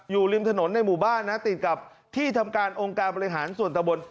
อยู่ริมถนนในหมู่บ้านนะติดกับที่ทำการองค์การบริหารส่วนตะบน